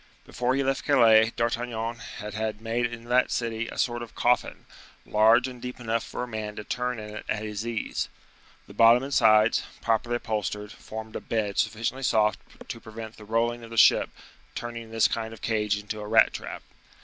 Before he left Calais, D'Artagnan had had made in that city a sort of coffin, large and deep enough for a man to turn in it at his ease. The bottom and sides, properly upholstered, formed a bed sufficiently soft to prevent the rolling of the ship turning this kind of cage into a rat trap.